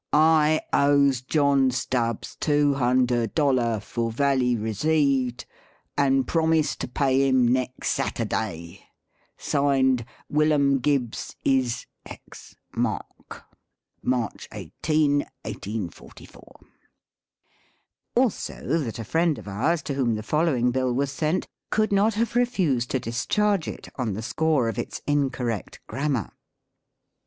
I ose Jon stubs too hunder dollar for valley reseved an promis to pay Him Nex Sattaday Signed Willum Gibs is X Mark March 18, 1844. Also that a friend of ours, to whom the following bill was sent, could not have refused to discharge it on the score of its incorrect grammar.